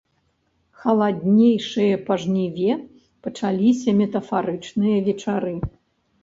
Халаднейшыя па жніве пачаліся метафарычныя вечары.